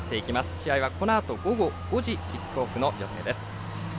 試合はこのあと午後５時キックオフの予定です。